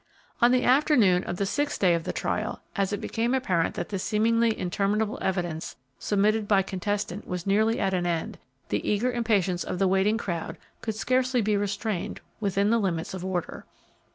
On the afternoon of the sixth day of the trial, as it became apparent that the seemingly interminable evidence submitted by contestant was nearly at an end, the eager impatience of the waiting crowd could scarcely be restrained within the limits of order.